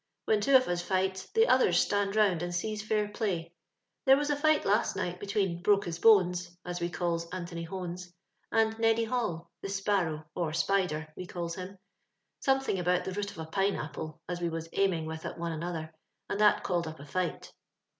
When two of us fights, the others stands round and sees fair play. There was a fight last night between * Broke his Bones '— as we calls Antony Hones — and Keddy Hall — the * Sparrow,' or * Spider,' we calls him, — some thing about the root of a pineapple, as we was aiming with at one another, and that called up a fight.